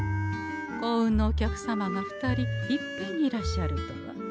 幸運のお客様が２人いっぺんにいらっしゃるとは。